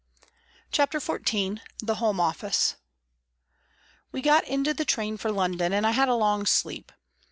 CHAPTER XIV THE HOME OFFICE WE got into the train for London and I had a long sleep.